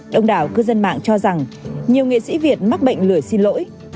đông đảo cư dân mạng cho rằng nhiều nghệ sĩ việt mắc bệnh lửa xin lỗi